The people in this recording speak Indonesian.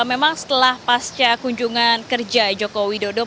memang setelah pasca kunjungan kerja joko widodo